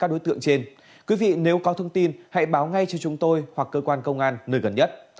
các đối tượng trên quý vị nếu có thông tin hãy báo ngay cho chúng tôi hoặc cơ quan công an nơi gần nhất